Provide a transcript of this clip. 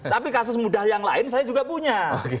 tapi kasus mudah yang lain saya juga punya